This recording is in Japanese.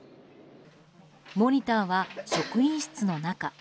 モニターは職員室の中。